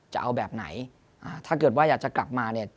จะเอาแบบไหนถ้าเกิดว่าอยากจะกลับมา